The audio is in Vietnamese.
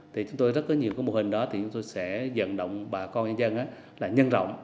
thì chúng tôi rất có nhiều cái mô hình đó thì chúng tôi sẽ dần động bà con nhân dân là nhân rộng